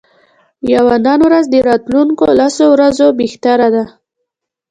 یوه نن ورځ د راتلونکو لسو ورځو بهتره ده.